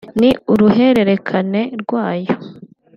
ni uruhererekane rwayo